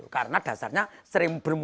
karena dasarnya sering bermuntah